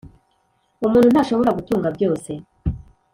umuntu ntashobora gutunga byose,